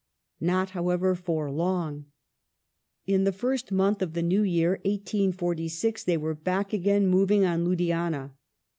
Not, however, for long. In the fii'st month of the new year (1846) they were back again, moving on Ludhiana.